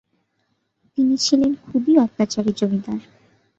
তিনি ছিলেন খুবই অত্যাচারী জমিদার।